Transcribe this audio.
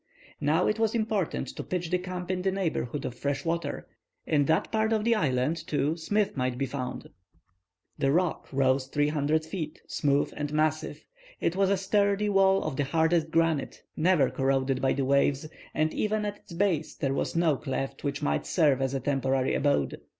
Now it was important to pitch the camp in the neighborhood of fresh water; in that part of the island, too, Smith might be found. The rock rose 300 feet, smooth and massive. It was a sturdy wall of the hardest granite, never corroded by the waves, and even at its base there was no cleft which might serve as a temporary abode.